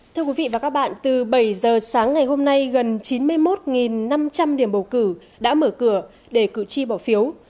thưa quý vị và các bạn từ bảy giờ sáng ngày hôm nay gần chín mươi một năm trăm linh điểm bầu cử đã mở cửa để cử tri bỏ phiếu